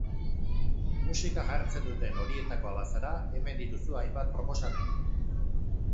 Musika jartzen duten horietakoa bazara, hemen dituzu hainbat proposamen.